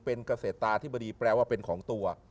เป็นเกษตราธิบดีแปลว่าเป็นของตัว